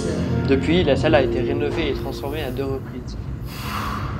Depuis, la salle a été rénovée et transformée à deux reprises.